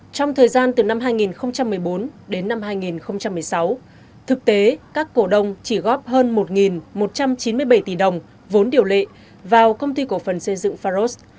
trong thời gian từ năm hai nghìn một mươi bốn đến năm hai nghìn một mươi sáu thực tế các cổ đồng chỉ góp hơn một một trăm chín mươi bảy tỷ đồng vốn điều lệ vào công ty cổ phần xây dựng pharos